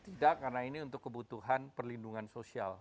tidak karena ini untuk kebutuhan perlindungan sosial